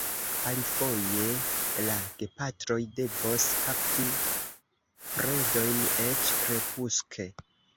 Alifoje la gepatroj devos kapti predojn eĉ krepuske.